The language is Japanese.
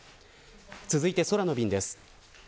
続いて空の便です。